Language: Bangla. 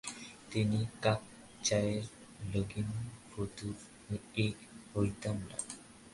তিন কাপ চায়ের লগিন ফতুর হইতাম না।